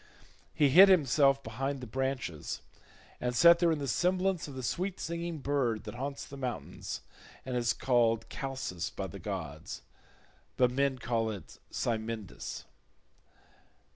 He hid himself behind the branches and sat there in the semblance of the sweet singing bird that haunts the mountains and is called Chalcis by the gods, but men call it Cymindis.